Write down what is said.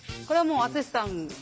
これはもう篤さん